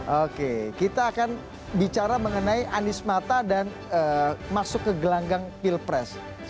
oke kita akan bicara mengenai anies mata dan masuk ke gelanggang pilpres